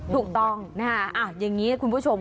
ถูกต้องนะคะอย่างนี้คุณผู้ชม